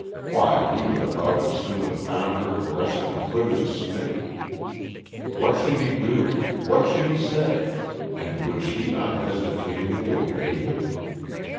Why, he would about as soon have found her caressing a hooded snake. What should he do, what should he say and would she unhesitatingly obey him?